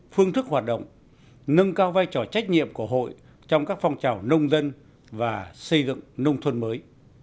phương thức hoạt động nâng cao vai trò trách nhiệm của hội trong các phong trào nông dân và xây dựng nông thôn mới